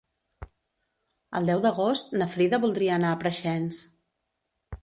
El deu d'agost na Frida voldria anar a Preixens.